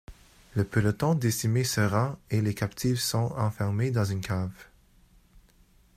Le peloton décimé se rend et les captives sont enfermées dans une cave.